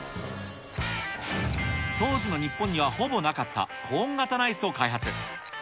当時の日本にはほぼなかったコーン型のアイスを開発。